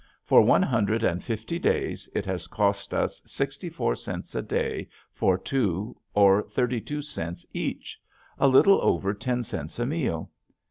For one hundred and fifty days it has cost us sixty four cents a day for two, or thirty two cents each, a little over ten cents a meal.